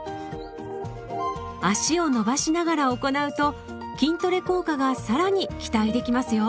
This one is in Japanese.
脚を伸ばしながら行うと筋トレ効果がさらに期待できますよ。